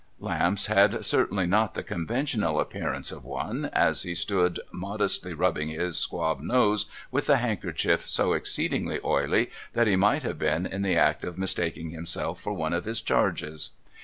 Lamps had certainly not the conventional appearance of one, as he stood modestly rubbing his squab nose with a handkerchief so exceedingly oily, that he might have been in the act of mistaking himself for one of his charges.